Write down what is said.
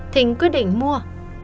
thịnh quyết định mua